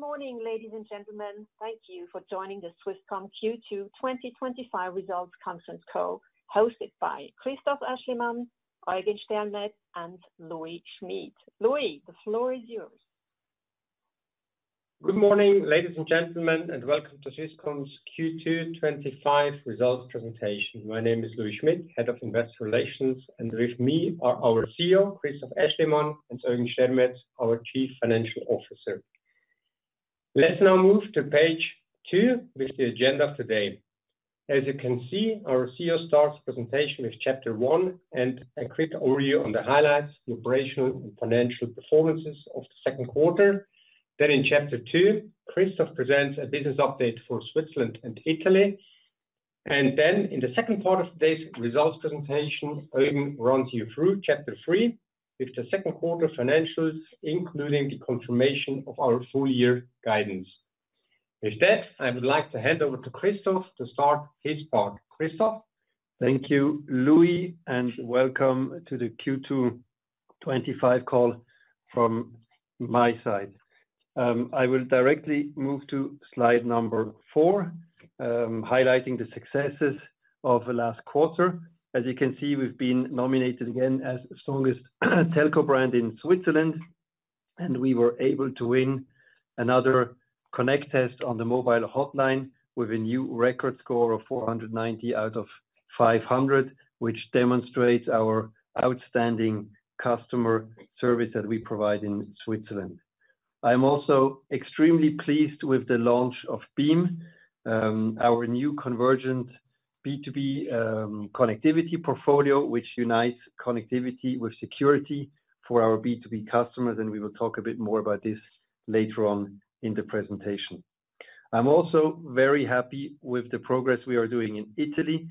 Good morning, ladies and gentlemen. Thank you for joining the Swisscom Q2 2025 Results Conference Call hosted by Christoph Aeschlimann, Eugen Stermetz, and Louis Schmid. Louis, the floor is yours. Good morning, ladies and gentlemen, and welcome to Swisscom's Q2 2025 Results presentation. My name is Louis Schmid, Head of Investor Relations, and with me are our CEO, Christoph Aeschlimann, and Eugen Stermetz, our Chief Financial Officer. Let's now move to page two with the agenda for the day. As you can see, our CEO starts the presentation with Chapter One and a quick overview on the highlights, the operational and financial performances of the second quarter. In Chapter Two, Christoph presents a business update for Switzerland and Italy. In the second part of today's results presentation, Eugen runs you through Chapter Three with the second quarter financials, including the confirmation of our full-year guidance. With that, I would like to hand over to Christoph to start his part. Christoph? Thank you, Louis, and welcome to the Q2 2025 Call from my side. I will directly move to slide number four, highlighting the successes of the last quarter. As you can see, we've been nominated again as the strongest telco brand in Switzerland, and we were able to win another Connect Test on the mobile hotline with a new record score of 490 out of 500, which demonstrates our outstanding customer service that we provide in Switzerland. I'm also extremely pleased with the launch of beem, our new convergent B2B connectivity portfolio, which unites connectivity with security for our B2B customers. We will talk a bit more about this later on in the presentation. I'm also very happy with the progress we are doing in Italy.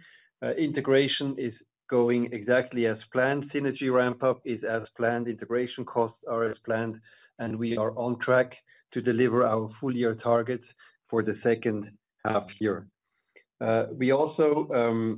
Integration is going exactly as planned. Synergy ramp-up is as planned. Integration costs are as planned, and we are on track to deliver our full-year targets for the second half year. We also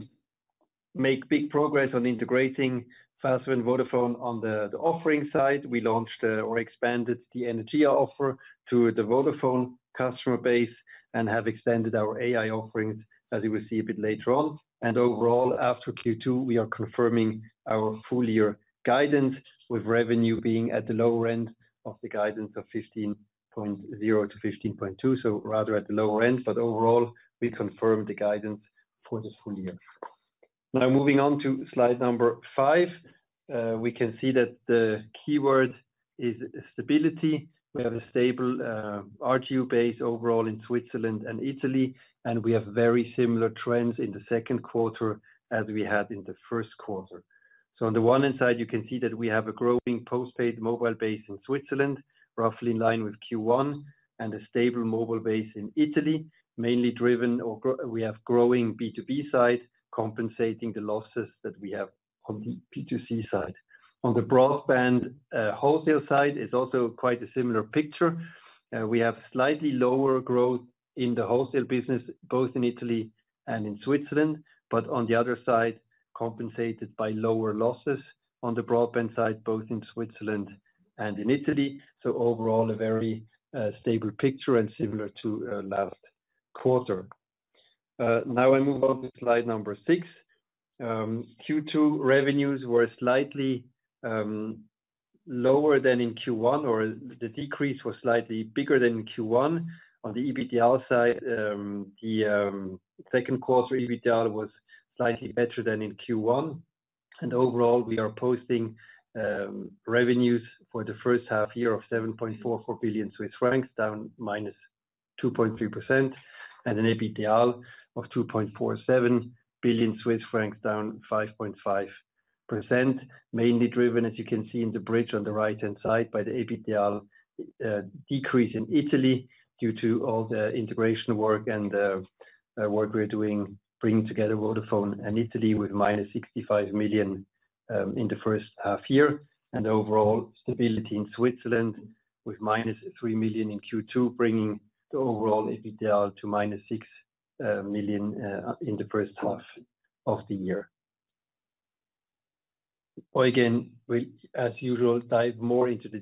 make big progress on integrating Fastweb and Vodafone Italia on the offering side. We launched or expanded the Energia offer to the Vodafone customer base and have extended our AI offerings, as you will see a bit later on. Overall, after Q2, we are confirming our full-year guidance, with revenue being at the lower end of the guidance of 15.0-15.2. Rather at the lower end, but overall, we confirm the guidance for the full year. Now, moving on to slide number five, we can see that the keyword is stability. We have a stable RGU base overall in Switzerland and Italy, and we have very similar trends in the second quarter as we had in the first quarter. On the one hand, you can see that we have a growing postpaid mobile base in Switzerland, roughly in line with Q1, and a stable mobile base in Italy, mainly driven or we have growing B2B side compensating the losses that we have on the B2C side. On the broadband wholesale side, it's also quite a similar picture. We have slightly lower growth in the wholesale business, both in Italy and in Switzerland, but on the other side, compensated by lower losses on the broadband side, both in Switzerland and in Italy. Overall, a very stable picture and similar to last quarter. Now I move on to slide number six. Q2 revenues were slightly lower than in Q1, or the decrease was slightly bigger than in Q1. On the EBITDA side, the second quarter EBITDA was slightly better than in Q1. Overall, we are posting revenues for the first half year of 7.44 billion Swiss francs, down 2.3%, and an EBITDAaL of 2.47 billion Swiss francs, down 5.5%, mainly driven, as you can see in the bridge on the right-hand side, by the EBITDAaL decrease in Italy due to all the integration work and the work we are doing bringing together Vodafone Italia and Italy with minus 65 million in the first half year. Overall, stability in Switzerland with minus 3 million in Q2, bringing the overall EBITDAaL to -6 million in the first half of the year. Again, we, as usual, dive more into the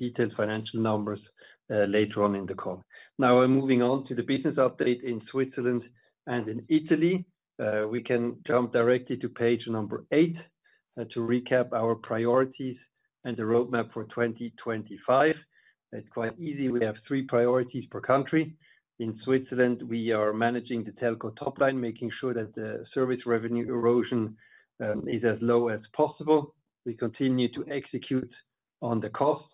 detailed financial numbers later on in the call. Now I'm moving on to the business update in Switzerland and in Italy. We can jump directly to page number eight to recap our priorities and the roadmap for 2025. It's quite easy. We have three priorities per country. In Switzerland, we are managing the telco top line, making sure that the service revenue erosion is as low as possible. We continue to execute on the cost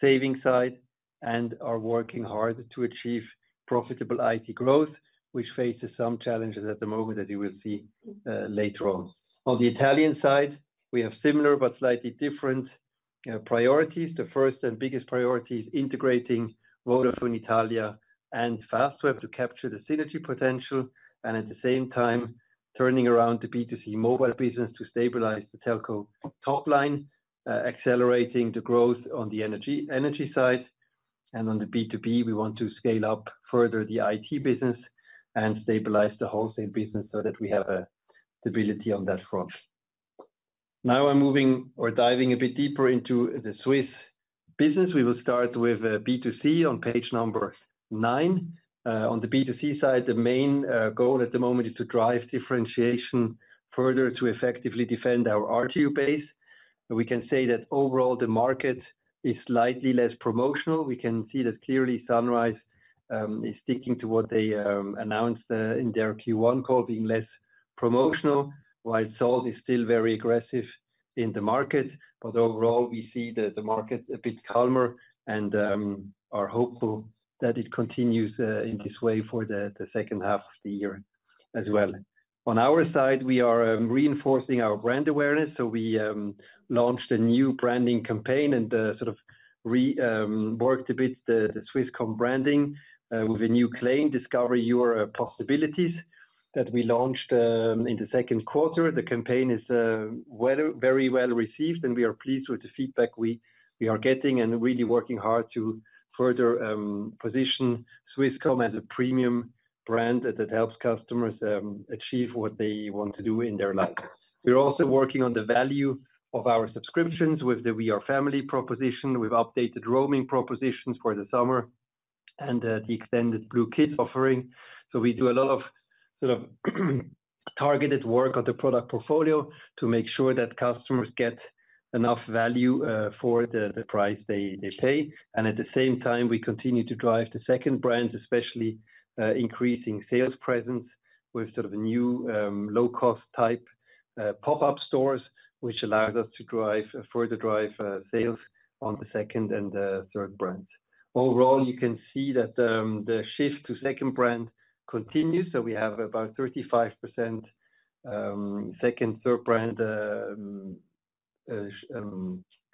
saving side and are working hard to achieve profitable IT growth, which faces some challenges at the moment that you will see later on. On the Italian side, we have similar but slightly different priorities. The first and biggest priority is integrating Vodafone Italia and Fastweb to capture the synergy potential and at the same time turning around the B2C mobile business to stabilize the telco top line, accelerating the growth on the energy side. On the B2B, we want to scale up further the IT business and stabilize the wholesale business so that we have stability on that front. Now I'm moving or diving a bit deeper into the Swiss business. We will start with B2C on page number nine. On the B2C side, the main goal at the moment is to drive differentiation further to effectively defend our RGU base. We can say that overall the market is slightly less promotional. We can see that clearly Sunrise is sticking to what they announced in their Q1 call, being less promotional, while Salt is still very aggressive in the market. Overall, we see the market a bit calmer and are hopeful that it continues in this way for the second half of the year as well. On our side, we are reinforcing our brand awareness. We launched a new branding campaign and sort of reworked a bit the Swisscom branding with a new claim, "Discover your possibilities," that we launched in the second quarter. The campaign is very well received, and we are pleased with the feedback we are getting and really working hard to further position Swisscom as a premium brand that helps customers achieve what they want to do in their life. We're also working on the value of our subscriptions with the "We are Family" proposition, with updated roaming propositions for the summer and the extended blue Kids offering. We do a lot of sort of targeted work on the product portfolio to make sure that customers get enough value for the price they pay. At the same time, we continue to drive the second brands, especially increasing sales presence with sort of new low-cost type pop-up stores, which allows us to further drive sales on the second and third brands. Overall, you can see that the shift to second brand continues. We have about 35% second, third brand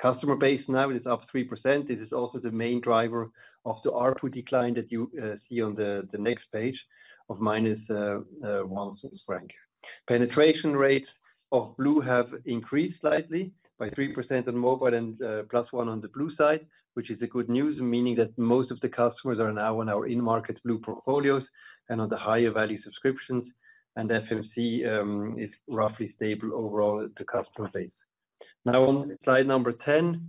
customer base now. It is up 3%. It is also the main driver of the ARPU decline that you see on the next page of -1 franc. Penetration rates of Blue have increased slightly by 3% on mobile and +1 on the blue side, which is good news, meaning that most of the customers are now on our in-market blue portfolios and on the higher value subscriptions. FMC is roughly stable overall at the customer base. Now on slide number 10,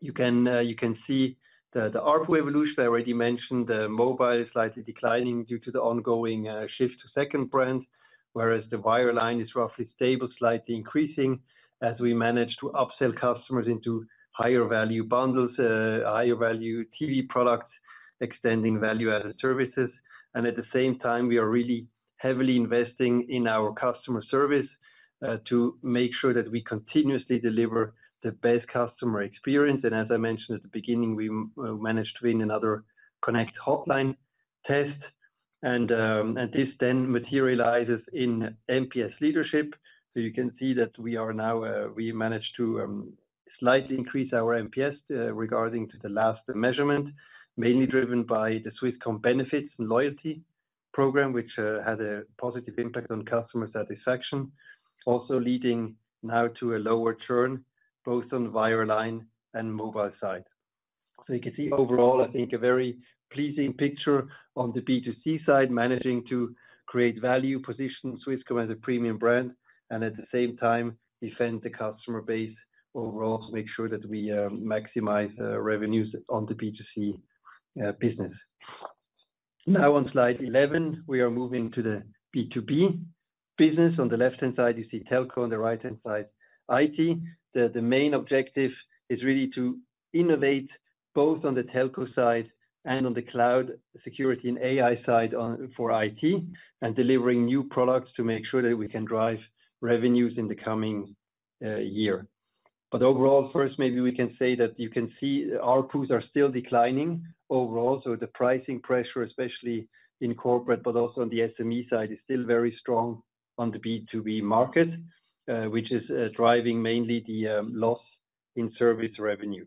you can see the ARPU evolution. I already mentioned the mobile is slightly declining due to the ongoing shift to second brands, whereas the wireline is roughly stable, slightly increasing as we manage to upsell customers into higher value bundles, higher value TV products, extending value-added services. At the same time, we are really heavily investing in our customer service to make sure that we continuously deliver the best customer experience. As I mentioned at the beginning, we managed to win another Connect Hotline test. This then materializes in NPS leadership. You can see that we managed to slightly increase our NPS regarding the last measurement, mainly driven by the Swisscom benefits and loyalty program, which had a positive impact on customer satisfaction, also leading now to a lower churn both on the wireline and mobile side. Overall, I think, a very pleasing picture on the B2C side, managing to create value, position Swisscom as a premium brand, and at the same time, defend the customer base overall to make sure that we maximize revenues on the B2C business. Now on slide 11, we are moving to the B2B business. On the left-hand side, you see telco. On the right-hand side, IT. The main objective is really to innovate both on the telco side and on the cloud security and AI side for IT and delivering new products to make sure that we can drive revenues in the coming year. Overall, first, maybe we can say that you can see ARPUs are still declining overall. The pricing pressure, especially in corporate, but also on the SME side, is still very strong on the B2B market, which is driving mainly the loss in service revenue.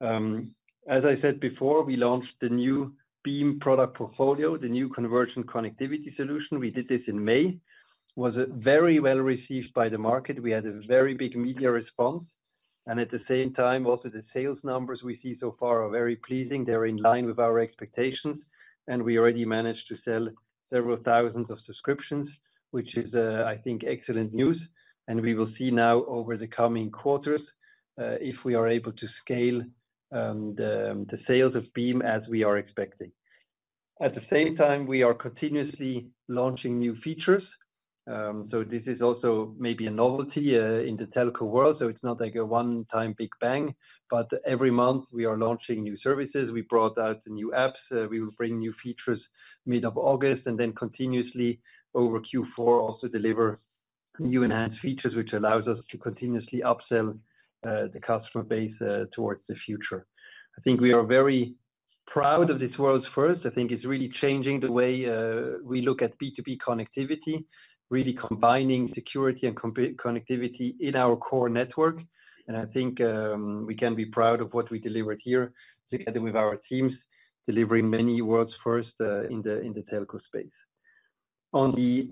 As I said before, we launched the new beem product portfolio, the new convergent connectivity solution. We did this in May. It was very well received by the market. We had a very big media response. At the same time, also the sales numbers we see so far are very pleasing. They're in line with our expectations. We already managed to sell several thousands of subscriptions, which is, I think, excellent news. We will see now over the coming quarters if we are able to scale the sales of beem as we are expecting. At the same time, we are continuously launching new features. This is also maybe a novelty in the telco world. It's not like a one-time big bang, but every month we are launching new services. We brought out the new apps. We will bring new features mid of August and then continuously over Q4 also deliver new enhanced features, which allows us to continuously upsell the customer base towards the future. I think we are very proud of this world's first. I think it's really changing the way we look at B2B connectivity, really combining security and connectivity in our core network. I think we can be proud of what we delivered here together with our teams, delivering many world's first in the telco space. On the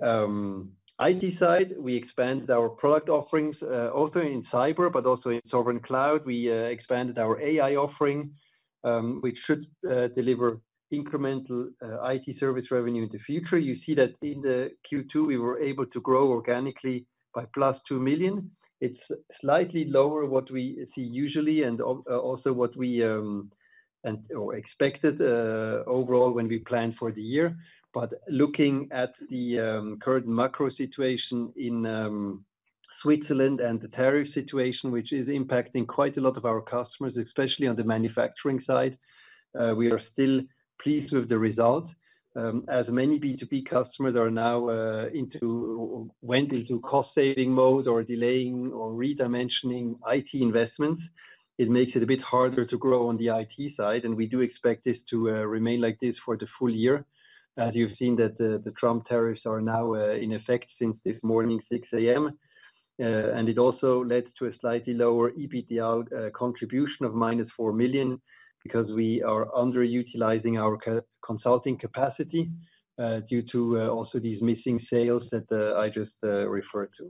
IT side, we expanded our product offerings also in cyber, but also in sovereign cloud. We expanded our AI offering, which should deliver incremental IT service revenue in the future. You see that in the Q2, we were able to grow organically by +2 million. It's slightly lower than what we see usually and also what we expected overall when we planned for the year. Looking at the current macro situation in Switzerland and the tariff situation, which is impacting quite a lot of our customers, especially on the manufacturing side, we are still pleased with the result. As many B2B customers are now in cost-saving mode or delaying or redimensioning IT investments, it makes it a bit harder to grow on the IT side. We do expect this to remain like this for the full year. As you've seen, the Trump tariffs are now in effect since this morning at 6:00 A.M., and it also led to a slightly lower EBITDAaL contribution of -4 million because we are underutilizing our consulting capacity due to also these missing sales that I just referred to.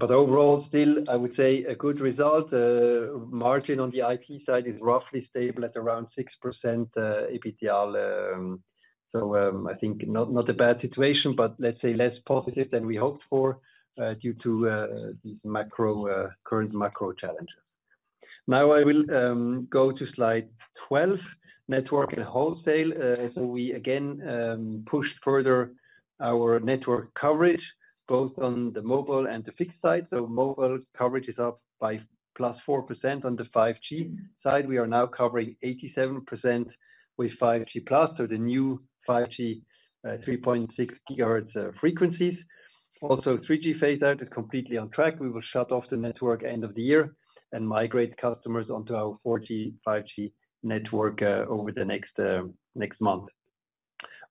Overall, still, I would say a good result. Margin on the IT side is roughly stable at around 6% EBITDAaL. I think not a bad situation, but let's say less positive than we hoped for due to the current macro challenges. Now I will go to slide 12, network and wholesale. We again pushed further our network coverage both on the mobile and the fixed side. Mobile coverage is up by +4%. On the 5G side, we are now covering 87% with 5G+, so the new 5G 3.6 gigahertz frequencies. Also, 3G phase-out is completely on track. We will shut off the network end of the year and migrate customers onto our 4G/5G network over the next month.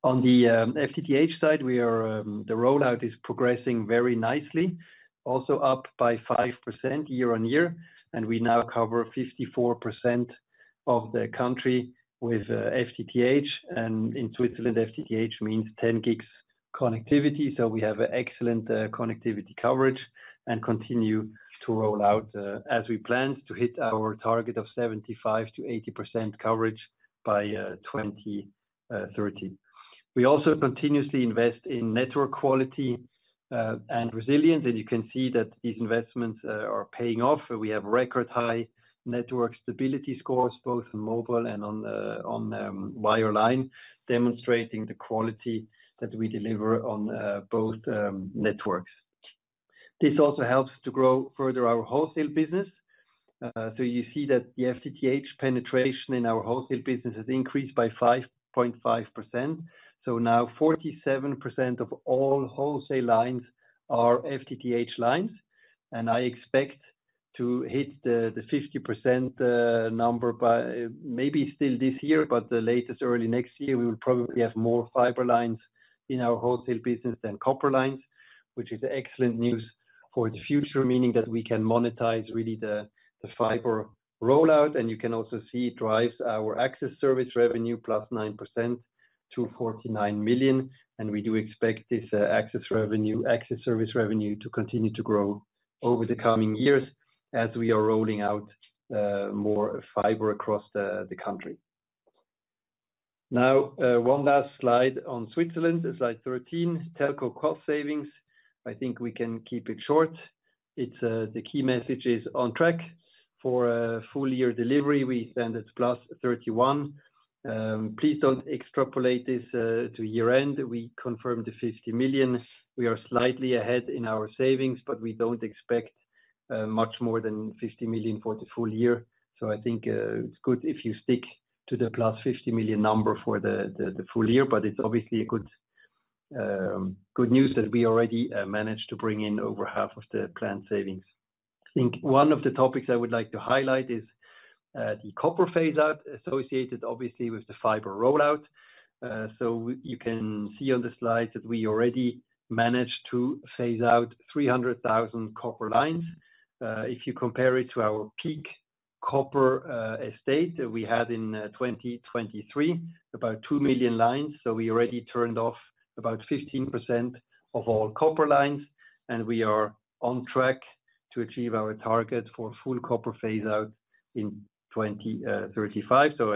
On the FTTH side, the rollout is progressing very nicely, also up by 5% year-on-year. We now cover 54% of the country with FTTH. In Switzerland, FTTH means 10 gigs connectivity. We have excellent connectivity coverage and continue to roll out as we plan to hit our target of 75%-80% coverage by 2030. We also continuously invest in network quality and resilience. You can see that these investments are paying off. We have record high network stability scores both on mobile and on wireline, demonstrating the quality that we deliver on both networks. This also helps to grow further our wholesale business. You see that the FTTH penetration in our wholesale business has increased by 5.5%. Now 47% of all wholesale lines are FTTH lines. I expect to hit the 50% number by maybe still this year, but at the latest early next year, we will probably have more fiber lines in our wholesale business than copper lines, which is excellent news for the future, meaning that we can monetize really the fiber rollout. You can also see it drives our access service revenue up 9% to 49 million. We do expect this access service revenue to continue to grow over the coming years as we are rolling out more fiber across the country. Now, one last slide on Switzerland, slide 13, telco cost savings. I think we can keep it short. The key message is on track for a full-year delivery. We spend at plus 31. Please do not extrapolate this to year end. We confirmed the 50 million. We are slightly ahead in our savings, but we do not expect much more than 50 million for the full year. I think it is good if you stick to the plus 50 million number for the full year. It is obviously good news that we already managed to bring in over half of the planned savings. One of the topics I would like to highlight is the copper network phase-out associated, obviously, with the fiber rollout. You can see on the slides that we already managed to phase out 300,000 copper lines. If you compare it to our peak copper estate that we had in 2023, about 2 million lines, we already turned off about 15% of all copper lines. We are on track to achieve our target for a full copper phase-out in 2035. I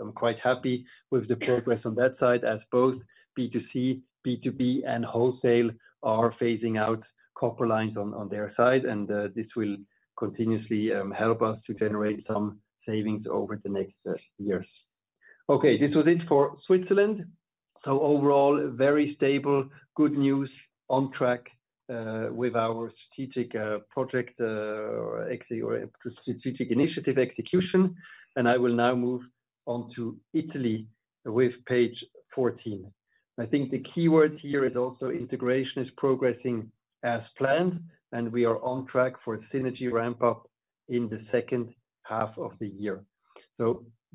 am quite happy with the progress on that side as both B2C, B2B, and wholesale are phasing out copper lines on their side. This will continuously help us to generate some savings over the next years. This was it for Switzerland. Overall, very stable, good news, on track with our strategic project or strategic initiative execution. I will now move on to Italy with page 14. The keyword here is also integration is progressing as planned. We are on track for synergy ramp-up in the second half of the year.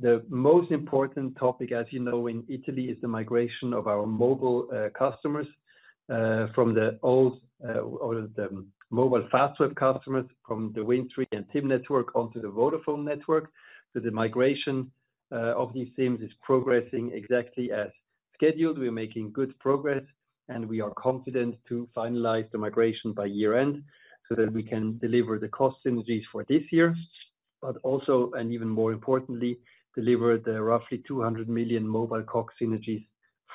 The most important topic, as you know, in Italy is the migration of our mobile customers from the old mobile Fastweb customers from the Windstream and SIM network onto the Vodafone network. The migration of these SIMs is progressing exactly as scheduled. We are making good progress. We are confident to finalize the migration by year end so that we can deliver the cost synergies for this year, but also, and even more importantly, deliver the roughly 200 million mobile COG synergies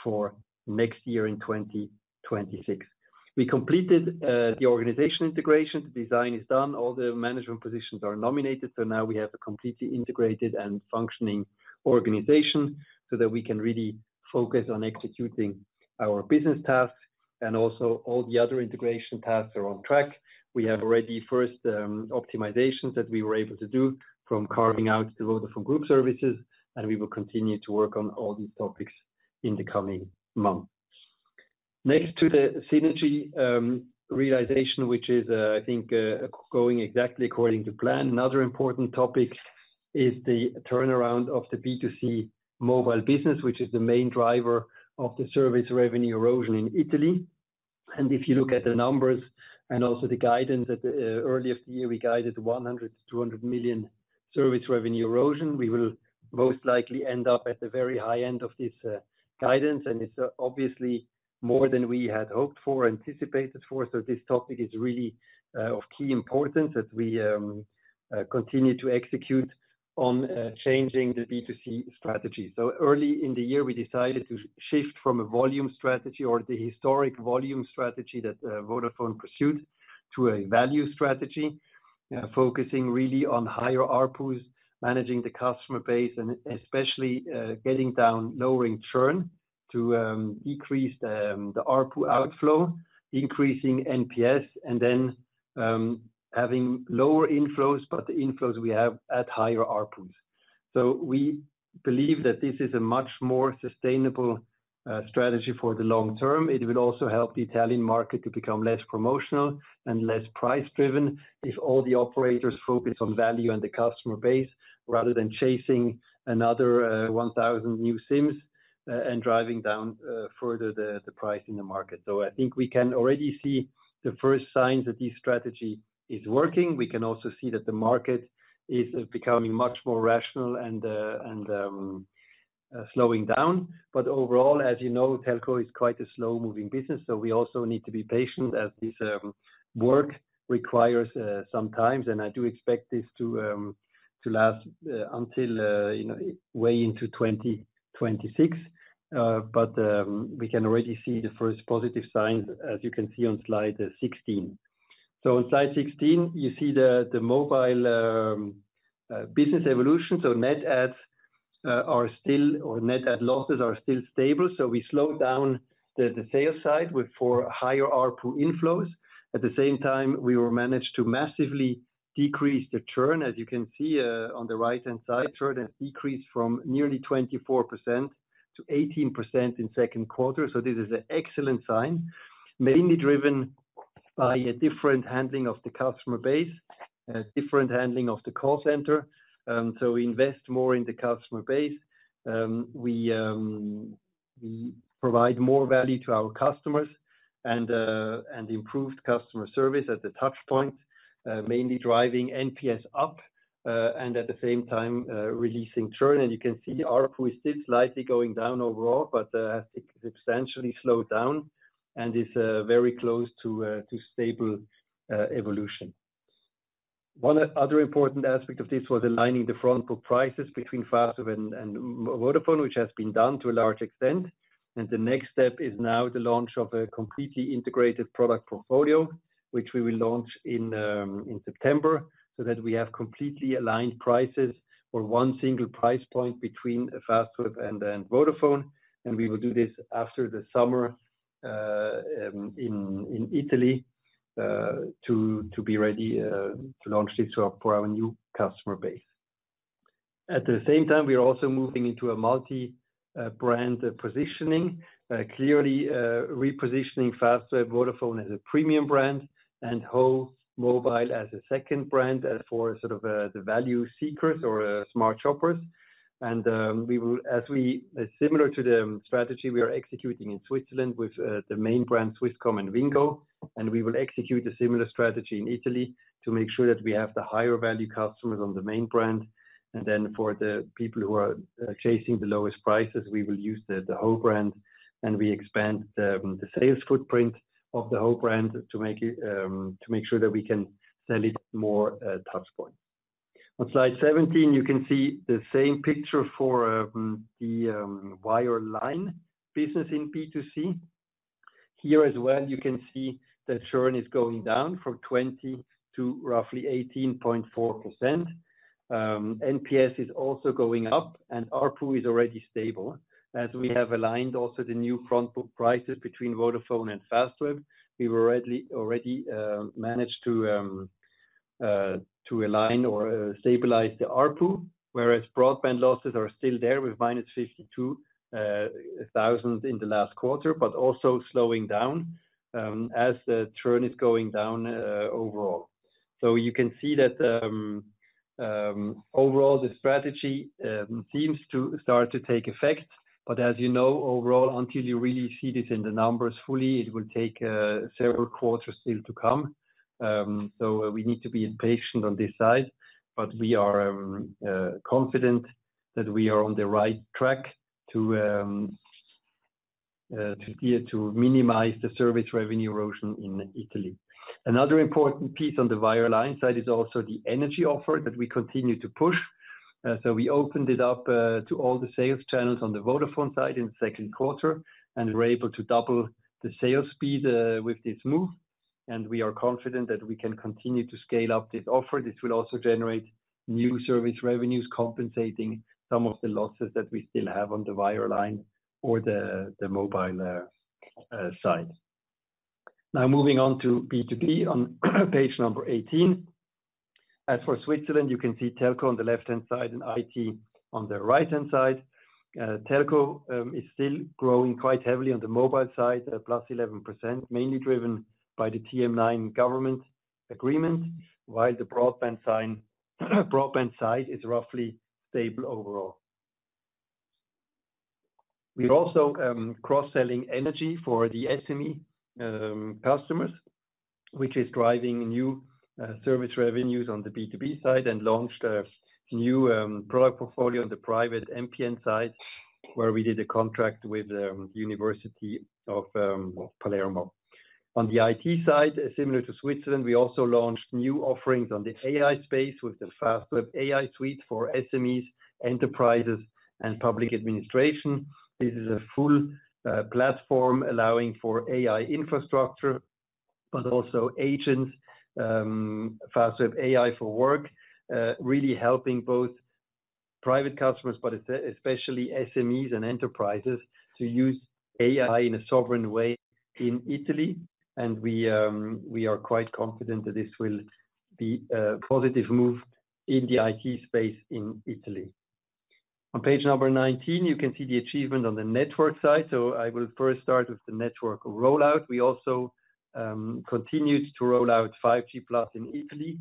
for next year in 2026. We completed the organizational integration. The design is done. All the management positions are nominated. Now we have a completely integrated and functioning organization so that we can really focus on executing our business tasks. Also, all the other integration tasks are on track. We have already first optimizations that we were able to do from carving out the Vodafone Group services. We will continue to work on all these topics in the coming months. Next to the synergy realization, which is, I think, going exactly according to plan, another important topic is the turnaround of the B2C mobile business, which is the main driver of the service revenue erosion in Italy. If you look at the numbers and also the guidance at the earliest year, we guided 100 to 200 million service revenue erosion. We will most likely end up at the very high end of this guidance. It's obviously more than we had hoped for, anticipated for. This topic is really of key importance as we continue to execute on changing the B2C strategy. Early in the year, we decided to shift from a volume strategy or the historic volume strategy that Vodafone pursued to a value strategy, focusing really on higher ARPUs, managing the customer base, and especially getting down, lowering churn to decrease the ARPU outflow, increasing NPS, and then having lower inflows, but the inflows we have at higher ARPUs. We believe that this is a much more sustainable strategy for the long term. It will also help the Italian market to become less promotional and less price-driven if all the operators focus on value and the customer base rather than chasing another 1,000 new SIMs and driving down further the price in the market. I think we can already see the first signs that this strategy is working. We can also see that the market is becoming much more rational and slowing down. Overall, as you know, telco is quite a slow-moving business. We also need to be patient as this work requires some time. I do expect this to last until way into 2026. We can already see the first positive signs, as you can see on slide 16. On slide 16, you see the mobile business evolution. Net ads are still, or net ad losses are still stable. We slowed down the sales side with four higher ARPU inflows. At the same time, we managed to massively decrease the churn, as you can see on the right-hand side. Churn has decreased from nearly 24% to 18% in the second quarter. This is an excellent sign, mainly driven by a different handling of the customer base, a different handling of the call center. We invest more in the customer base. We provide more value to our customers and improved customer service at the touchpoint, mainly driving NPS up and at the same time releasing churn. You can see ARPU is still slightly going down overall, but it substantially slowed down and is very close to stable evolution. One other important aspect of this was aligning the front-put prices between Fastweb and Vodafone Italia, which has been done to a large extent. The next step is now the launch of a completely integrated product portfolio, which we will launch in September so that we have completely aligned prices or one single price point between Fastweb and Vodafone Italia. We will do this after the summer in Italy to be ready to launch this for our new customer base. At the same time, we are also moving into a multi-brand positioning, clearly repositioning Fastweb, Vodafone Italia as a premium brand, and Ho. Mobile as a second brand for sort of the value seekers or smart shoppers. We will, similar to the strategy we are executing in Switzerland with the main brands, Swisscom and Wingo, execute a similar strategy in Italy to make sure that we have the higher value customers on the main brand. For the people who are chasing the lowest prices, we will use the Ho. Mobile brand and we expand the sales footprint of the Ho. Mobile brand to make sure that we can sell it at more touchpoints. On slide 17, you can see the same picture for the wireline business in B2C. Here as well, you can see that churn is going down from 20% to roughly 18.4%. NPS is also going up and ARPU is already stable. As we have aligned also the new front-put prices between Vodafone Italia and Fastweb, we already managed to align or stabilize the ARPU, whereas broadband losses are still there with minus 52,000 in the last quarter, but also slowing down as the churn is going down overall. You can see that overall the strategy seems to start to take effect. As you know, overall, until you really see this in the numbers fully, it will take several quarters still to come. We need to be patient on this side, but we are confident that we are on the right track to minimize the service revenue erosion in Italy. Another important piece on the wireline side is also the energy offer that we continue to push. We opened it up to all the sales channels on the Vodafone side in the second quarter and were able to double the sales speed with this move. We are confident that we can continue to scale up this offer. This will also generate new service revenues, compensating some of the losses that we still have on the wireline or the mobile side. Now moving on to B2B on page number 18. As for Switzerland, you can see telco on the left-hand side and IT on the right-hand side. Telco is still growing quite heavily on the mobile side, plus 11%, mainly driven by the TM9 government agreement, while the broadband side is roughly stable overall. We are also cross-selling energy for the SME customers, which is driving new service revenues on the B2B side and launched a new product portfolio on the private MPN side, where we did a contract with the University of Palermo. On the IT side, similar to Switzerland, we also launched new offerings on the AI space with the Fastweb AI Suite for SMEs, enterprises, and public administration. This is a full platform allowing for AI infrastructure, but also agents, Fastweb AI for work, really helping both private customers, but especially SMEs and enterprises to use AI in a sovereign way in Italy. We are quite confident that this will be a positive move in the IT space in Italy. On page number 19, you can see the achievement on the network side. I will first start with the network rollout. We also continued to roll out 5G+ in Italy.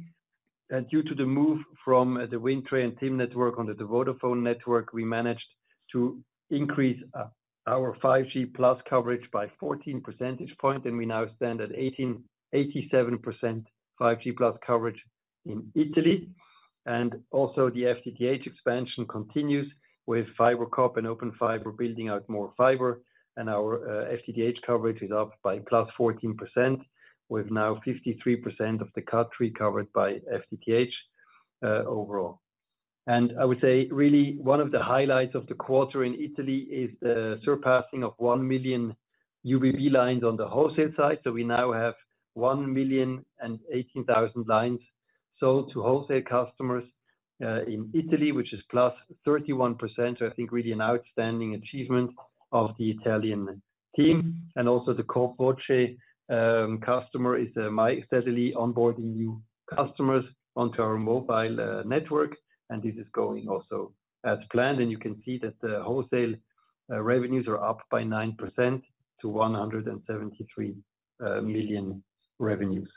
Due to the move from the Windstream and TIM network onto the Vodafone network, we managed to increase our 5G+ coverage by 14%, and we now stand at 87% 5G+ coverage in Italy. The FTTH expansion continues with Fibre Corp and OpenFibre building out more fiber, and our FTTH coverage is up by 14%, with now 53% of the CAT3 covered by FTTH overall. I would say really one of the highlights of the quarter in Italy is the surpassing of 1 million UBB lines on the wholesale side. We now have 1,018,000 lines sold to wholesale customers in Italy, which is up 31%. I think really an outstanding achievement of the Italian team. The CoopVoce customer is steadily onboarding new customers onto our mobile network, and it is going also as planned. You can see that the wholesale revenues are up by 9% to 173 million revenues.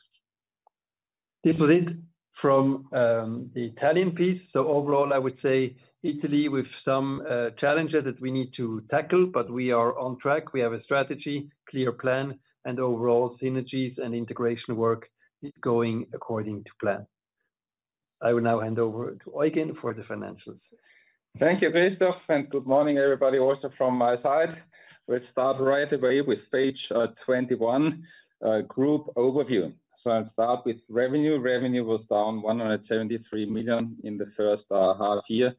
This was it from the Italian piece. Overall, I would say Italy with some challenges that we need to tackle, but we are on track. We have a strategy, clear plan, and overall synergies and integration work going according to plan. I will now hand over to Eugen for the financials. Thank you, Christoph, and good morning, everybody, also from my side. Let's start right away with page 21, a group overview. I'll start with revenue. Revenue was down 173 million in the first half year,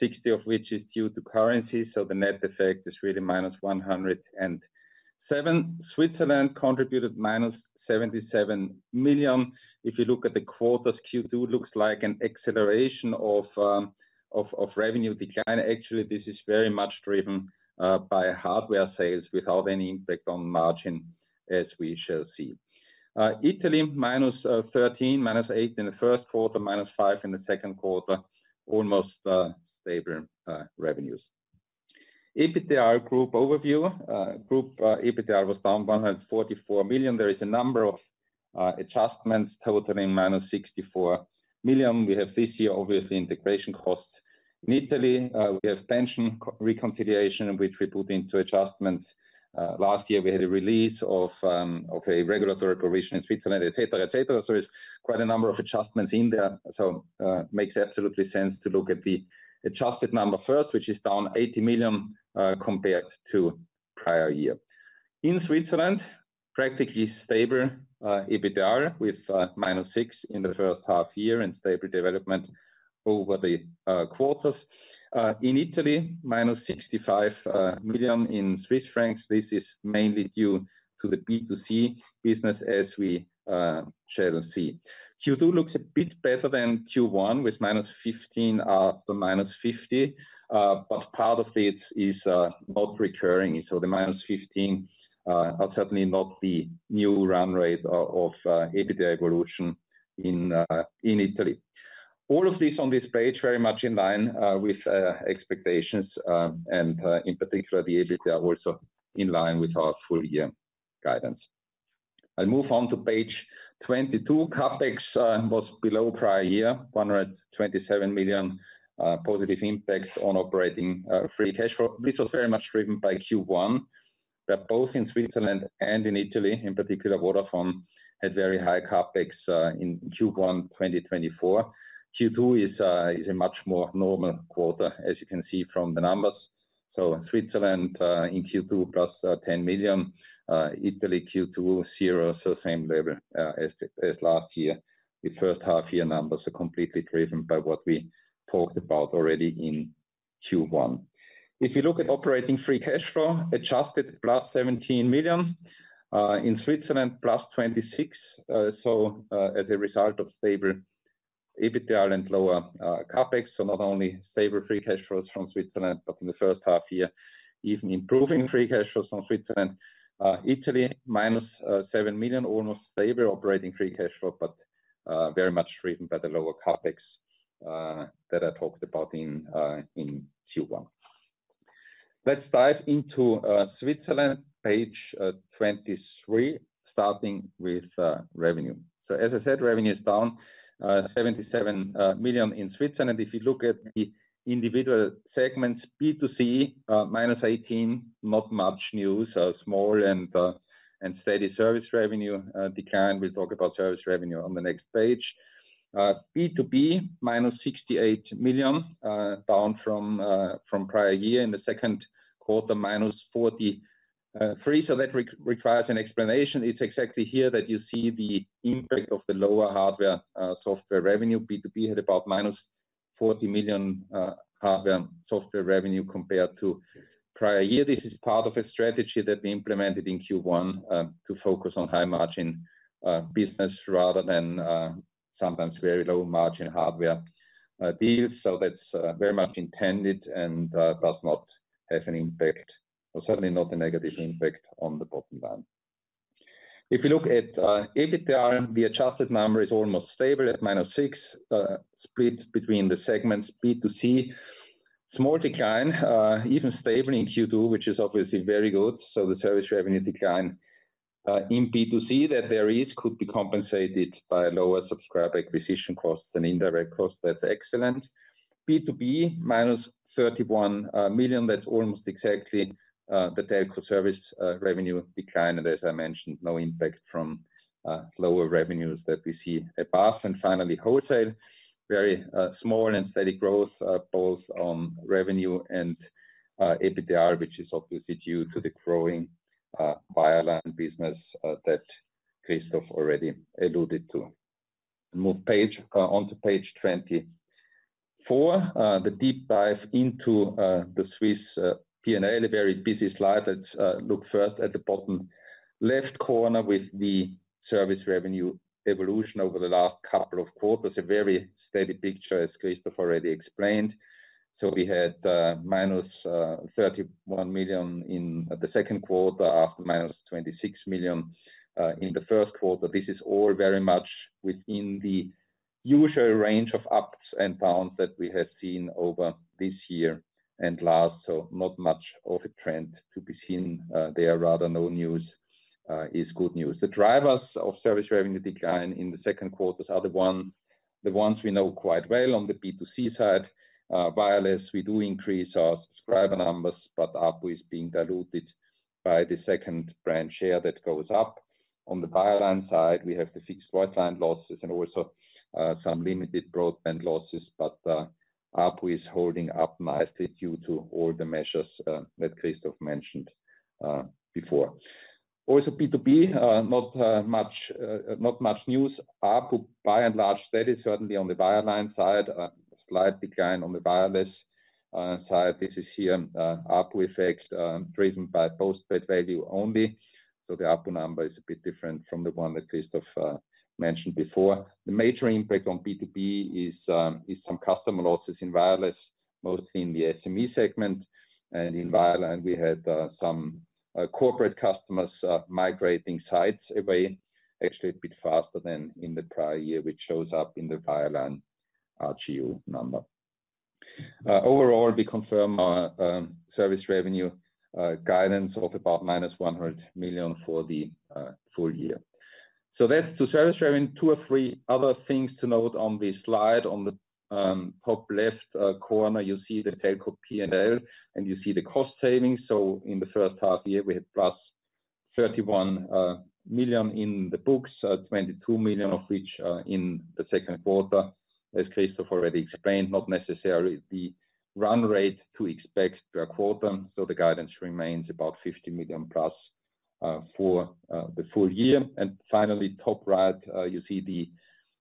60 million of which is due to currency. The net effect is really minus 107 million. Switzerland contributed minus 77 million. If you look at the quarters Q2, it looks like an acceleration of revenue decline. Actually, this is very much driven by hardware sales without any impact on margin, as we shall see. Italy, minus 13 million, minus 8 million in the first quarter, minus 5 million in the second quarter, almost stable revenues. EBITDAaL group overview. Group EBITDAaL was down 144 million. There is a number of adjustments totaling minus 64 million. We have this year, obviously, integration costs in Italy. We have pension reconfiguration, which we put into adjustments. Last year, we had a release of a regulatory provision in Switzerland, etc. There are quite a number of adjustments in there. It makes absolutely sense to look at the adjusted number first, which is down 80 million compared to the prior year. In Switzerland, practically stable EBITDAaL with minus 6 million in the first half year and stable development over the quarters. In Italy, -65 million. This is mainly due to the B2C business, as we shall see. Q2 looks a bit better than Q1 with -15 million up to -50 million, but part of this is not recurring. The -15 million are certainly not the new run rate of EBITDAaL evolution in Italy. All of this on this page is very much in line with expectations, and in particular, the EBITDAaL is also in line with our full-year guidance. I'll move on to page 22. CapEx was below prior year, 127 million positive impacts on operating free cash flow. This was very much driven by Q1. Both in Switzerland and in Italy, in particular, Vodafone had very high CapEx in Q1 2024. Q2 is a much more normal quarter, as you can see from the numbers. Switzerland in Q2 +10 million. Italy Q2 is zero, so same level as last year. The first half-year numbers are completely driven by what we talked about already in Q1. If you look at operating free cash flow, adjusted +17 million. In Switzerland, +26 million. As a result of stable EBITDAaL and lower CapEx, not only stable free cash flows from Switzerland, but in the first half year, even improving free cash flows from Switzerland. Italy, -7 million, almost stable operating free cash flow, but very much driven by the lower CapEx that I talked about in Q1. Let's dive into Switzerland, page 23, starting with revenue. As I said, revenue is down 77 million in Switzerland. If you look at the individual segments, B2C, -18 million, not much news, small and steady service revenue decline. We'll talk about service revenue on the next page. B2B, -68 million, down from prior year in the second quarter, -43 million. That requires an explanation. It's exactly here that you see the impact of the lower hardware/software revenue. B2B had about -40 million hardware/software revenue compared to prior year. This is part of a strategy that we implemented in Q1 to focus on high-margin business rather than sometimes very low-margin hardware deals. That's very much intended and does not have an impact, or certainly not a negative impact on the bottom line. If you look at EBITDAal, the adjusted number is almost stable at -6 million, split between the segments. B2C, small decline, even stable in Q2, which is obviously very good. The service revenue decline in B2C that there is could be compensated by a lower subscriber acquisition cost than indirect cost. That's excellent. B2B, -31 million. That's almost exactly the telco service revenue decline. As I mentioned, no impact from lower revenues that we see above. Finally, wholesale, very small and steady growth both on revenue and EBITDA, which is obviously due to the growing wireline business that Christoph already alluded to. Move onto page 24, the deep dive into the Swiss P&L. A very busy slide. Let's look first at the bottom left corner with the service revenue evolution over the last couple of quarters. A very steady picture, as Christoph already explained. We had -31 million in the second quarter, after -26 million in the first quarter. This is all very much within the usual range of ups and downs that we have seen over this year and last. Not much of a trend to be seen there, rather no news is good news. The drivers of service revenue decline in the second quarter are the ones we know quite well on the B2C side. Wireless, we do increase our subscriber numbers, but ARPU is being diluted by the second branch share that goes up. On the wireline side, we have the fixed wireline losses and also some limited broadband losses, but ARPU is holding up nicely due to all the measures that Christoph mentioned before. Also, B2B, not much news. ARPU, by and large, steady, certainly on the wireline side. A slight decline on the wireless side. This is here ARPU effect driven by postpaid value only. The ARPU number is a bit different from the one that Christoph mentioned before. The major impact on B2B is some customer losses in wireless, mostly in the SME segment. In wireline, we had some corporate customers migrating sites away, actually a bit faster than in the prior year, which shows up in the wireline RGU number. Overall, we confirm our service revenue guidance of about -100 million for the full year. That's the service revenue. Two or three other things to note on this slide. On the top left corner, you see the telco P&L and you see the cost savings. In the first half year, we had +31 million in the books, 22 million of which are in the second quarter, as Christoph already explained, not necessarily the run rate to expect per quarter. The guidance remains about 50+ million for the full year. Finally, top right, you see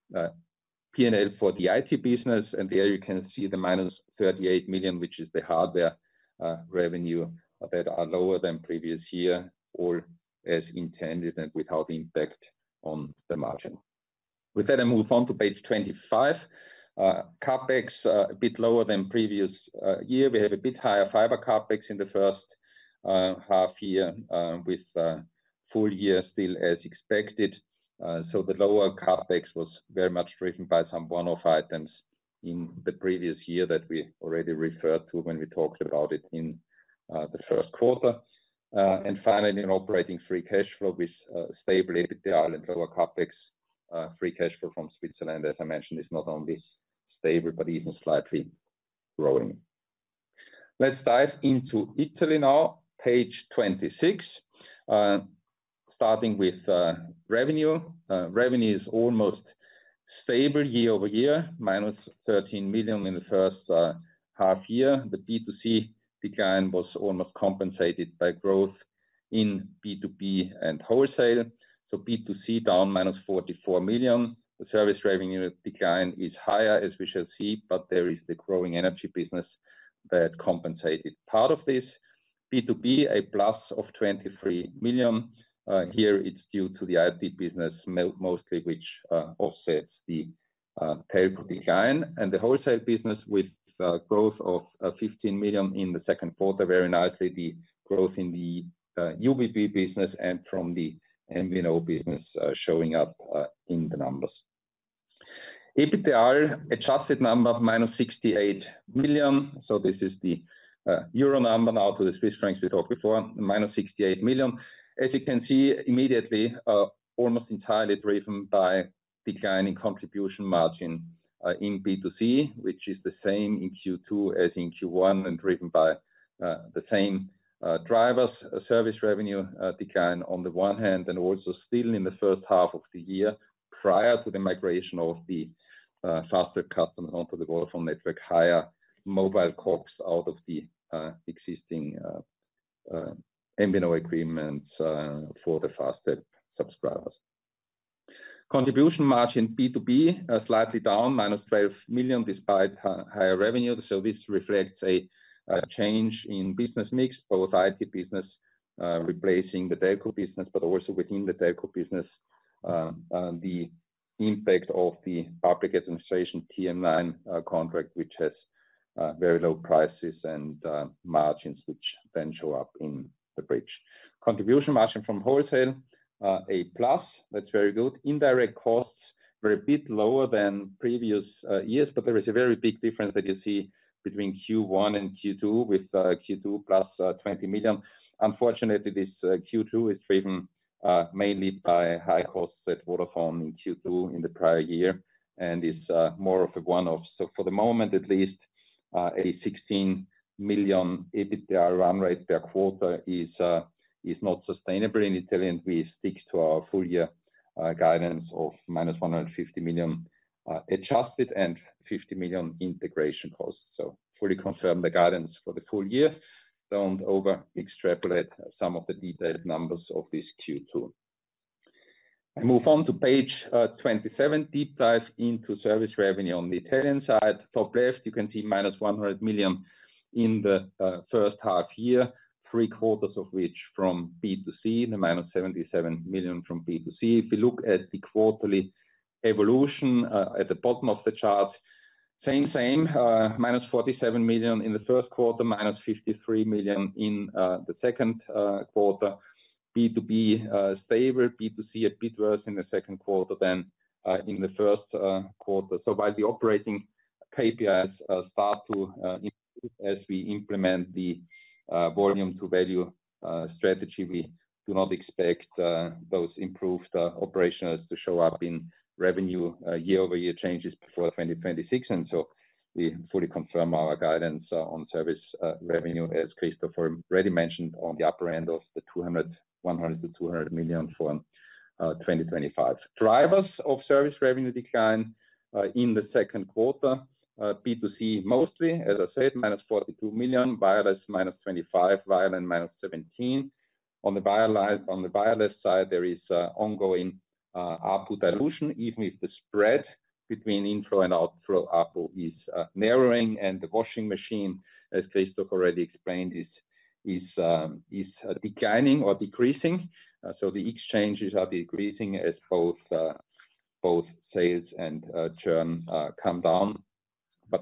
the P&L for the IT business. There you can see the -38 million, which is the hardware revenue that are lower than previous year, all as intended and without impact on the margin. With that, I move on to page 25. CapEx is a bit lower than previous year. We had a bit higher fiber CapEx in the first half year with full year still as expected. The lower CapEx was very much driven by some one-off items in the previous year that we already referred to when we talked about it in the first quarter. Finally, in operating free cash flow, we stable EBITDAaL and lower CapEx free cash flow from Switzerland, as I mentioned, is not only stable, but even slightly growing. Let's dive into Italy now, page 26, starting with revenue. Revenue is almost stable year-over-year, -13 million in the first half year. The B2C decline was almost compensated by growth in B2B and wholesale. B2C down -44 million. The service revenue decline is higher, as we shall see, but there is the growing energy business that compensated part of this. B2B, a plus of 23 million. Here, it's due to the IT business mostly, which offsets the telco decline. The wholesale business with a growth of 15 million in the second quarter, very nicely. The growth in the UBB business and from the MVNO business showing up in the numbers. EBITDAaL, adjusted number, -68 million. This is the euro number now to the Swiss francs we talked before, -68 million. As you can see, immediately almost entirely driven by declining contribution margin in B2C, which is the same in Q2 as in Q1 and driven by the same drivers. A service revenue decline on the one hand and also still in the first half of the year prior to the migration of the Fastweb customers onto the Vodafone Italia network, higher mobile COGs out of the existing MVNO agreements for the Fastweb subscribers. Contribution margin B2B slightly down, -12 million despite higher revenue. This reflects a change in business mix, both IT business replacing the telco business, but also within the telco business, the impact of the public administration TM9 contract, which has very low prices and margins, which then show up in the bridge. Contribution margin from wholesale, a plus. That's very good. Indirect costs were a bit lower than previous years, but there is a very big difference that you see between Q1 and Q2 with Q2 +20 million. Unfortunately, this Q2 is driven mainly by high costs at Vodafone Italia in Q2 in the prior year and is more of a one-off. For the moment, at least, a 16 million EBITDAaL run rate per quarter is not sustainable in Italy. We stick to our full-year guidance of -150 million adjusted and 50 million integration costs. Fully confirm the guidance for the full year. Don't over-extrapolate some of the detailed numbers of this Q2. I move on to page 27, deep dive into service revenue on the Italian side. Top left, you can see -100 million in the first half year, three quarters of which from B2C, the -77 million from B2C. If you look at the quarterly evolution at the bottom of the chart, same-same, -47 million in the first quarter, EUR _53 million in the second quarter. B2B stable, B2C a bit worse in the second quarter than in the first quarter. While the operating KPIs start to improve as we implement the volume-to-value strategy, we do not expect those improved operationals to show up in revenue year-over-year changes before 2026. We fully confirm our guidance on service revenue, as Christoph already mentioned, on the upper end of the 100 to 200 million for 2025. Drivers of service revenue decline in the second quarter, B2C mostly, as I said, -42 million, wireless -25 million, wireline -17 million. On the wireless side, there is ongoing ARPU dilution, even if the spread between inflow and outflow ARPU is narrowing. The washing machine, as Christoph already explained, is declining or decreasing. The exchanges are decreasing as both sales and churn come down.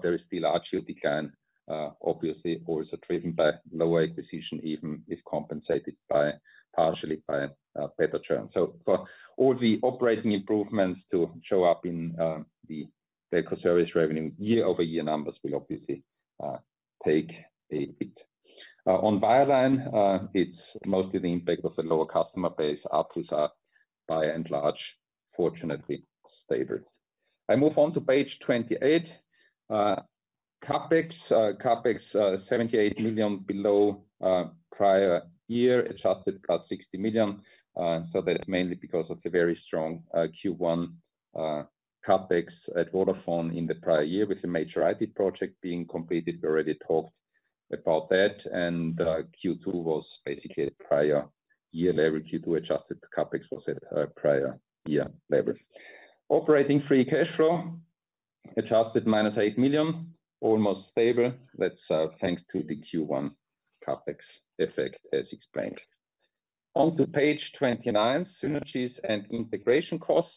There is still a large decline obviously also driven by lower acquisition, even if compensated partially by better churn. For all the operating improvements to show up in the telco service revenue, year-over-year numbers will obviously take a bit. On wireline, it's mostly the impact of the lower customer base. ARPUs are by and large, fortunately, stable. I move on to page 28. CapEx, CapEx 78 million below prior year, adjusted +60 million. That's mainly because of the very strong Q1 CapEx at Vodafone Italia in the prior year with a major IT project being completed. We already talked about that. Q2 was basically at prior year level. Q2 adjusted CapEx was at prior year level. Operating free cash flow, adjusted -8 million, almost stable. That's thanks to the Q1 CapEx effect, as explained. Onto page 29, synergies and integration costs.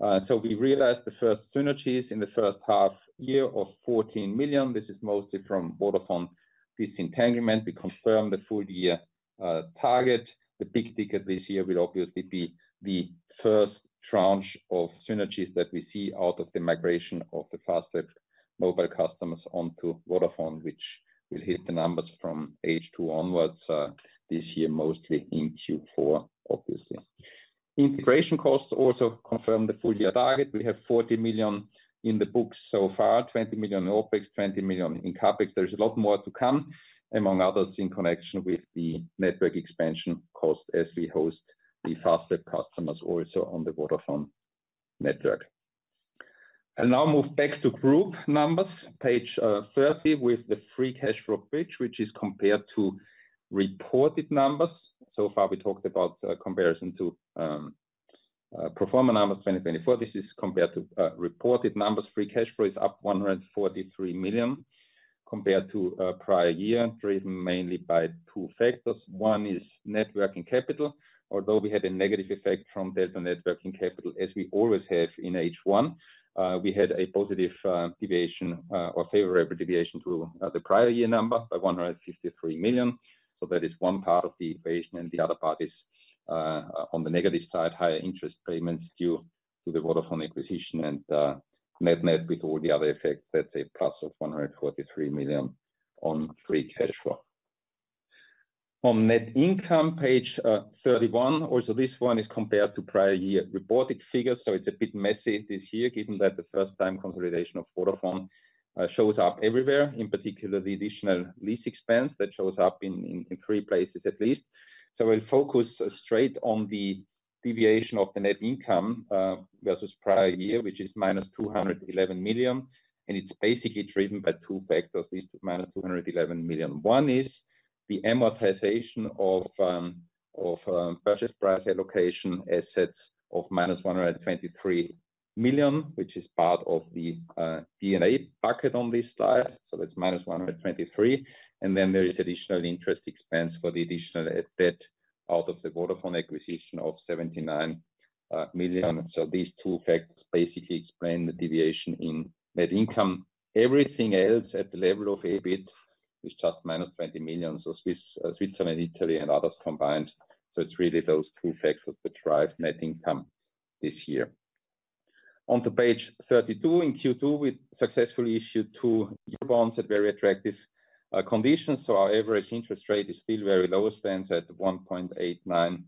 We realized the first synergies in the first half year of 14 million. This is mostly from Vodafone disentanglement. We confirmed the full-year target. The big ticket this year will obviously be the first tranche of synergies that we see out of the migration of the Fastweb mobile customers onto Vodafone Italia, which will hit the numbers from H2 onwards this year, mostly in Q4, obviously. Integration costs also confirmed the full-year target. We have 40 million in the books so far, 20 million in OpEx, 20 million in CapEx. There's a lot more to come, among others, in connection with the network expansion cost as we host the Fastweb customers also on the Vodafone Italia network. I'll now move back to group numbers, page 30, with the free cash flow bridge, which is compared to reported numbers. So far, we talked about comparison to pro forma numbers 2024. This is compared to reported numbers. Free cash flow is up 143 million compared to prior year, driven mainly by two factors. One is networking capital. Although we had a negative effect from delta networking capital, as we always have in H1, we had a positive deviation or favorable deviation through the prior year number by 153 million. That is one part of the equation, and the other part is on the negative side, higher interest payments due to the Vodafone acquisition and net with all the other effects. That's a plus of 143 million on free cash flow. On net income, page 31, also this one is compared to prior year reported figures. It's a bit messy this year, given that the first-time consolidation of Vodafone shows up everywhere, in particular the additional lease expense that shows up in three places at least. We'll focus straight on the deviation of the net income versus prior year, which is minus 211 million. It's basically driven by two factors, this -211 million. One is the amortization of purchase price allocation assets of -123 million, which is part of the D&A bucket on this slide. That's -123 million. Then there is additional interest expense for the additional debt out of the Vodafone acquisition of 79 million. These two factors basically explain the deviation in net income. Everything else at the level of EBIT is just -20 million. Switzerland, Italy, and others combined. It's really those two factors that drive net income this year. Onto page 32, in Q2, we successfully issued two bonds at very attractive conditions. Our average interest rate is still very low, stands at 1.89%.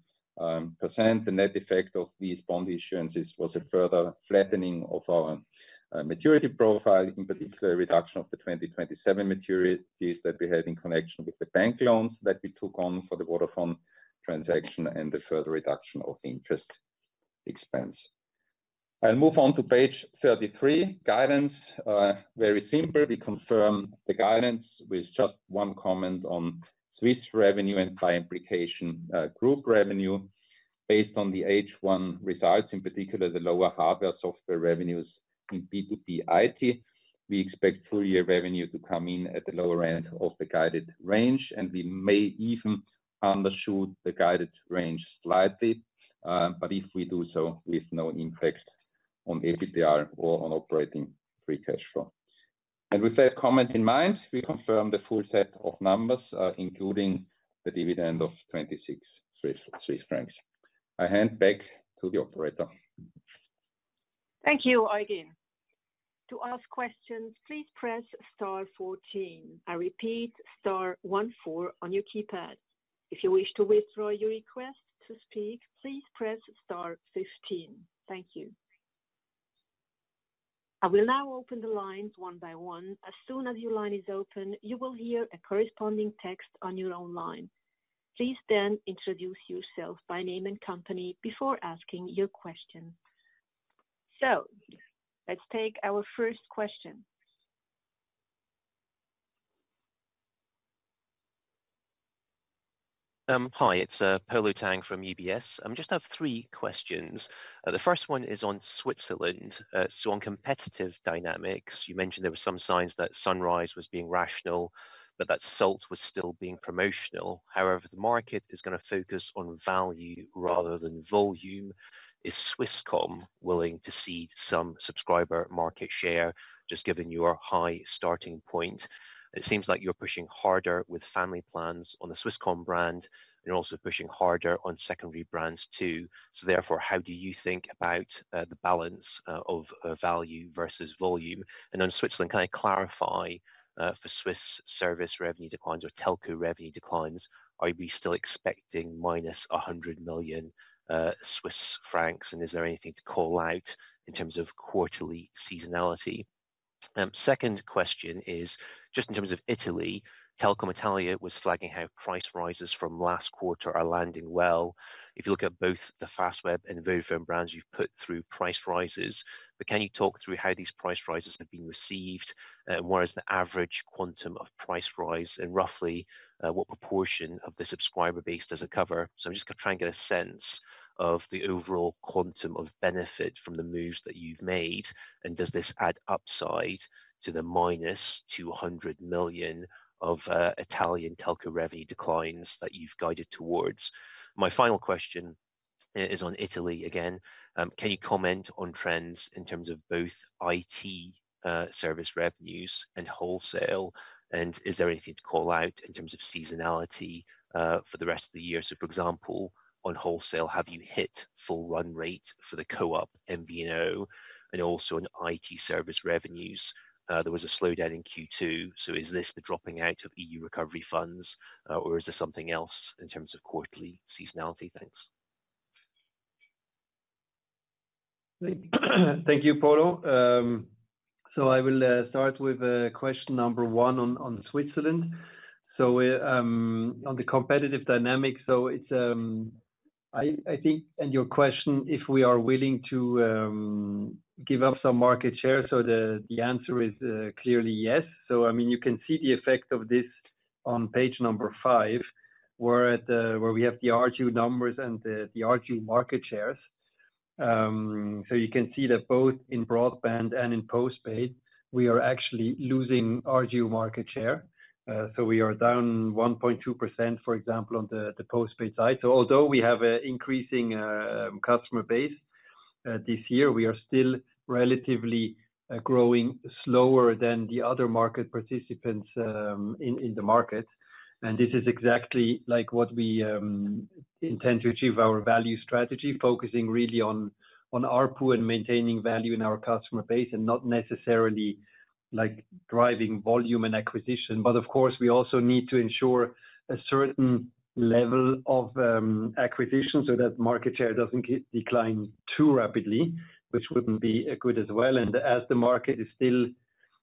The net effect of these bond issuances was a further flattening of our maturity profile, in particular a reduction of the 2027 maturities that we had in connection with the bank loans that we took on for the Vodafone transaction and the further reduction of the interest expense. I'll move on to page 33, guidance. Very simple. We confirm the guidance with just one comment on Swiss revenue and by implication group revenue. Based on the H1 results, in particular the lower hardware software revenues in B2B IT, we expect full-year revenue to come in at the lower end of the guided range. We may even undershoot the guided range slightly, but if we do so, with no impact on EBITDAaL or on operating free cash flow. With that comment in mind, we confirm the full set of numbers, including the dividend of 26 francs. I hand back to the operator. Thank you, Eugen. To ask questions, please press star one four. I repeat, star one four on your keypad. If you wish to withdraw your request to speak, please press star 15. Thank you. I will now open the lines one by one. As soon as your line is open, you will hear a corresponding text on your own line. Please then introduce yourself by name and company before asking your question. Let's take our first question. Hi, it's Polo Tang from UBS. I just have three questions. The first one is on Switzerland. On competitive dynamics, you mentioned there were some signs that Sunrise was being rational, but that Salt was still being promotional. However, the market is going to focus on value rather than volume. Is Swisscom willing to cede some subscriber market share, just given your high starting point? It seems like you're pushing harder with family plans on the Swisscom brand and also pushing harder on secondary brands too. How do you think about the balance of value versus volume? In Switzerland, can I clarify for Swiss service revenue declines or telco revenue declines, are we still expecting -100 million Swiss francs? Is there anything to call out in terms of quarterly seasonality? Second question is just in terms of Italy. Telecom Italia was flagging how price rises from last quarter are landing well. If you look at both the Fastweb and Vodafone brands, you've put through price rises. Can you talk through how these price rises have been received? What is the average quantum of price rise? Roughly, what proportion of the subscriber base does it cover? I'm just trying to get a sense of the overall quantum of benefit from the moves that you've made. Does this add upside to the -200 million of Italian telco revenue declines that you've guided towards? My final question is on Italy again. Can you comment on trends in terms of both IT service revenues and wholesale? Is there anything to call out in terms of seasonality for the rest of the year? For example, on wholesale, have you hit full run rate for the co-op MVNO? In IT service revenues, there was a slowdown in Q2. Is this the dropping out of EU recovery funds, or is there something else in terms of quarterly seasonality? Thanks. Thank you, Polo. I will start with question number one on Switzerland. We're on the competitive dynamics. I think, and your question, if we are willing to give up some market share, the answer is clearly yes. You can see the effect of this on page number five, where we have the RGU numbers and the RGU market shares. You can see that both in broadband and in postpaid, we are actually losing RGU market share. We are down 1.2%, for example, on the postpaid side. Although we have an increasing customer base this year, we are still relatively growing slower than the other market participants in the market. This is exactly like what we intend to achieve with our value strategy, focusing really on ARPU and maintaining value in our customer base and not necessarily driving volume and acquisition. Of course, we also need to ensure a certain level of acquisition so that market share doesn't decline too rapidly, which wouldn't be good as well. As the market is still,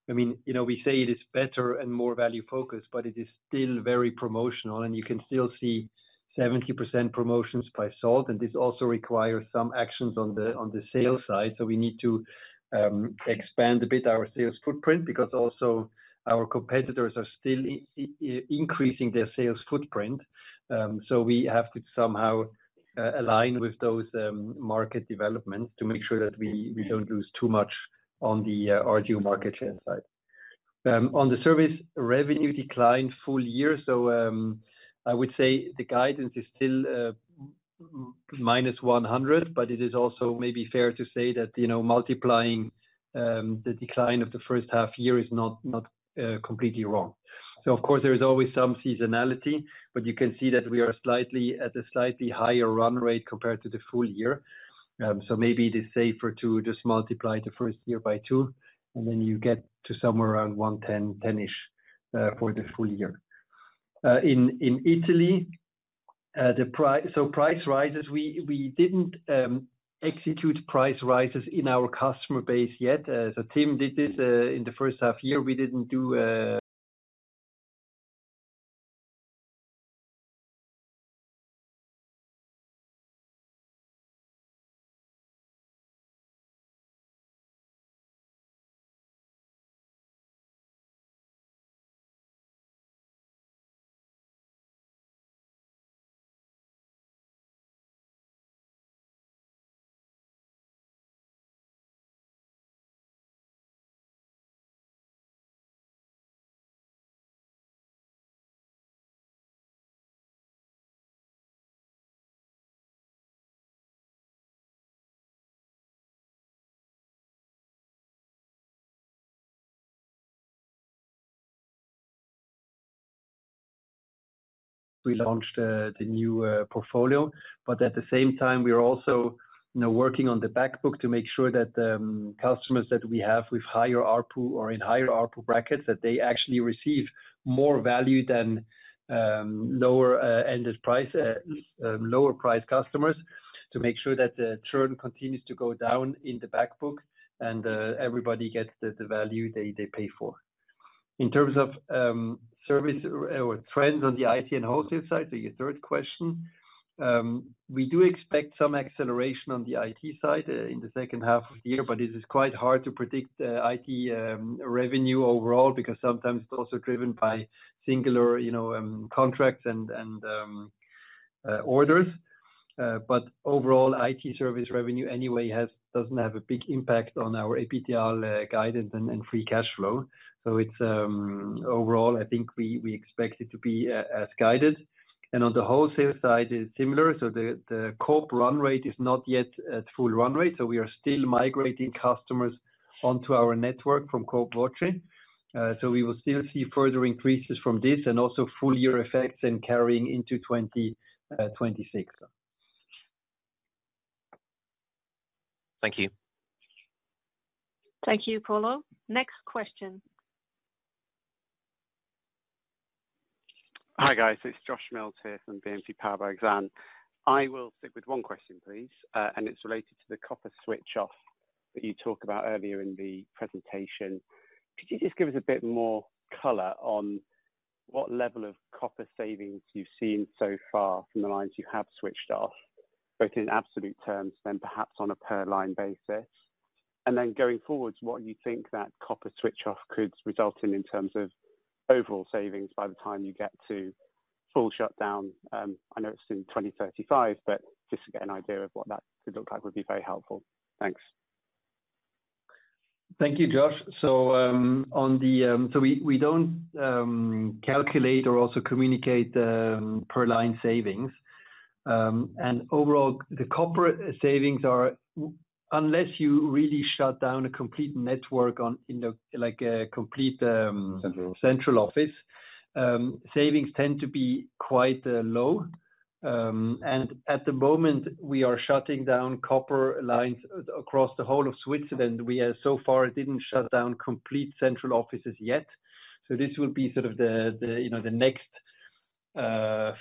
I mean, you know, we say it is better and more value-focused, it is still very promotional. You can still see 70% promotions by Salt. This also requires some actions on the sales side. We need to expand a bit our sales footprint because also our competitors are still increasing their sales footprint. We have to somehow align with those market developments to make sure that we don't lose too much on the RGU market share side. On the service revenue decline full year, I would say the guidance is still -100, but it is also maybe fair to say that, you know, multiplying the decline of the first half year is not completely wrong. There is always some seasonality, but you can see that we are at a slightly higher run rate compared to the full year. Maybe it is safer to just multiply the first year by two, and then you get to somewhere around 110, 110-ish for the full year. In Italy, price rises, we didn't execute price rises in our customer base yet. Tim did this in the first half year. We didn't do. We launched the new portfolio, but at the same time, we're also working on the backbook to make sure that the customers that we have with higher ARPU or in higher ARPU brackets, that they actually receive more value than lower-ended price customers to make sure that the churn continues to go down in the backbook and everybody gets the value they pay for. In terms of service or trends on the IT and wholesale side, your third question, we do expect some acceleration on the IT side in the second half of the year, but it is quite hard to predict IT revenue overall because sometimes it's also driven by singular contracts and orders. Overall, IT service revenue anyway doesn't have a big impact on our EBITDA guidance and free cash flow. Overall, I think we expect it to be as guided. On the wholesale side, it's similar. The corp run rate is not yet at full run rate. We are still migrating customers onto our network from CoopVoce. We will still see further increases from this and also full-year effects and carrying into 2026. Thank you. Thank you, Polo. Next question. Hi guys, it's Josh Mills here from BNP Paribas and I will stick with one question, please, and it's related to the copper switch-off that you talked about earlier in the presentation. Could you just give us a bit more color on what level of copper savings you've seen so far from the lines you have switched off, both in absolute terms and then perhaps on a per-line basis? Going forwards, what do you think that copper switch-off could result in in terms of overall savings by the time you get to full shutdown? I know it's in 2035, but just to get an idea of what that could look like would be very helpful. Thanks. Thank you, Josh. We don't calculate or also communicate per-line savings. Overall, the copper savings are, unless you really shut down a complete network like a complete central office, savings tend to be quite low. At the moment, we are shutting down copper lines across the whole of Switzerland. We have so far not shut down complete central offices yet. This will be the next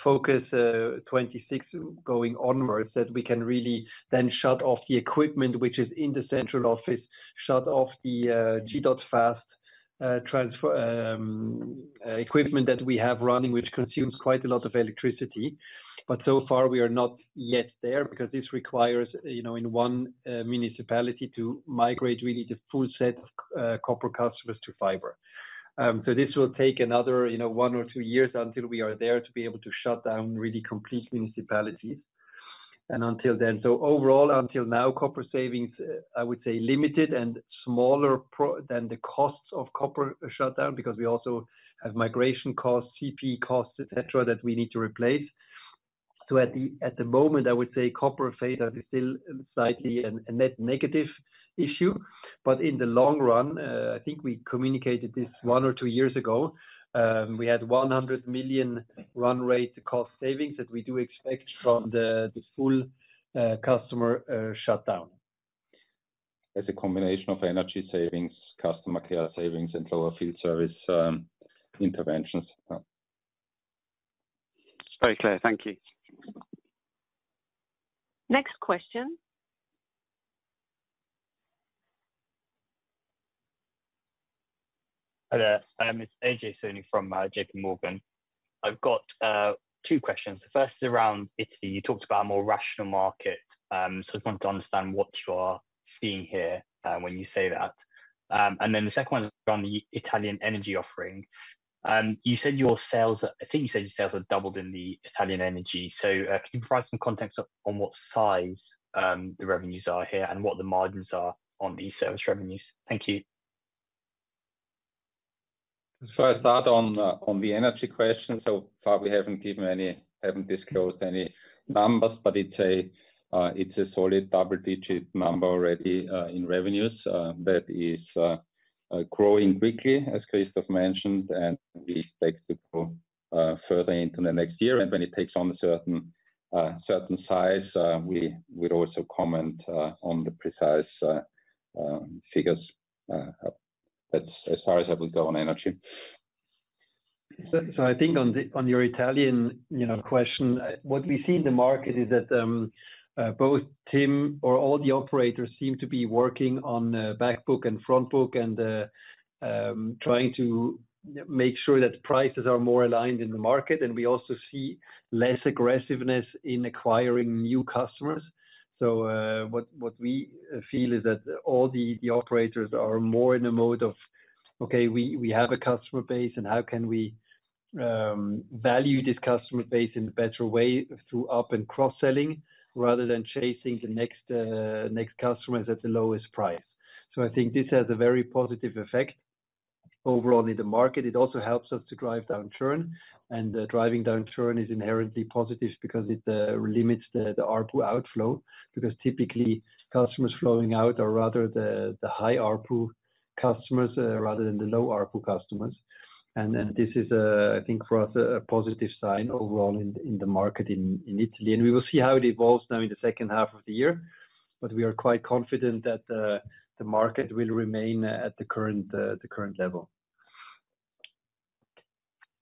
focus in 2026 going onwards, that we can really then shut off the equipment, which is in the central office, shut off the G.fast transfer equipment that we have running, which consumes quite a lot of electricity. So far, we are not yet there because this requires, you know, in one municipality to migrate really the full set of corporate customers to fiber. This will take another one or two years until we are there to be able to shut down really complete municipalities. Until then, overall, until now, copper savings, I would say, are limited and smaller than the costs of copper shutdown because we also have migration costs, CPE costs, etc., that we need to replace. At the moment, I would say copper phase-out is still slightly a net negative issue. In the long run, I think we communicated this one or two years ago, we had 100 million run rate cost savings that we do expect from the full customer shutdown. It's a combination of energy savings, customer care savings, and dry field service interventions. Very clear. Thank you. Next question. Hello. I'm Ajay Soni from JPMorgan. I've got two questions. The first is around Italy. You talked about a more rational market. I just wanted to understand what you are seeing here when you say that. The second one is around the Italian energy offering. You said your sales, I think you said your sales are doubled in the Italian energy. Can you provide some context on what size the revenues are here and what the margins are on these service revenues? Thank you. As far as that on the energy question, I probably haven't given any, haven't disclosed any numbers, but it's a solid double-digit number already in revenues that is growing quickly, as Christoph mentioned. We expect to grow further into the next year. When it takes on a certain size, we would also comment on the precise figures as far as that will go on energy. I think on your Italian question, what we see in the market is that both TIM or all the operators seem to be working on backbook and frontbook and trying to make sure that prices are more aligned in the market. We also see less aggressiveness in acquiring new customers. What we feel is that all the operators are more in a mode of, okay, we have a customer base, and how can we value this customer base in a better way through up and cross-selling rather than chasing the next customers at the lowest price? I think this has a very positive effect overall in the market. It also helps us to drive down churn. Driving down churn is inherently positive because it limits the ARPU outflow, because typically, customers flowing out are rather the high ARPU customers rather than the low ARPU customers. This is, I think, for us, a positive sign overall in the market in Italy. We will see how it evolves now in the second half of the year, but we are quite confident that the market will remain at the current level.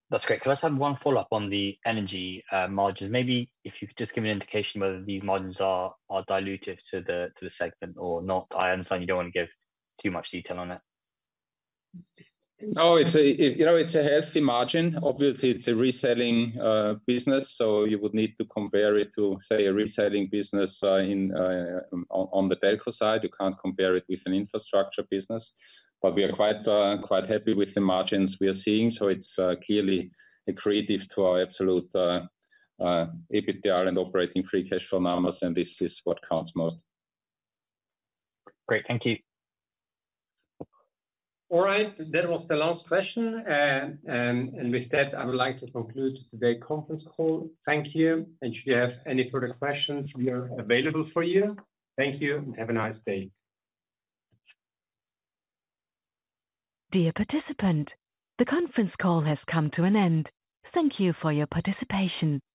That's great. Can I just have one follow-up on the energy margins? Maybe if you could just give an indication whether these margins are dilutive to the segment or not. I understand you don't want to give too much detail on that. Oh, it's a healthy margin. Obviously, it's a reselling business. You would need to compare it to, say, a reselling business on the telco side. You can't compare it with an infrastructure business. We are quite happy with the margins we are seeing. It's clearly accretive to our absolute EBITDA and operating free cash flow numbers, and this is what counts most. Great. Thank you. All right. That was the last question. With that, I would like to conclude today's conference call. Thank you. Should you have any further questions, we are available for you. Thank you and have a nice day. Dear participant, the conference call has come to an end. Thank you for your participation. Goodbye.